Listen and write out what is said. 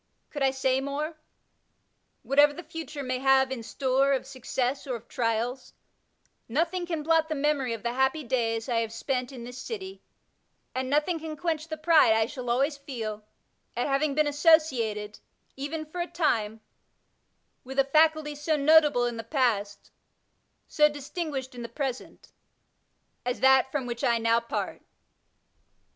Gould I say morel Whatever the future may have in store of success or of trials, nothing can blot the memory of the happy days I have spent in this city, and nothing can quench the pride I shall always feel at having been associated, even for a time, with a Faculty so notable in the past, so distinguished in the present, as that from which I now part.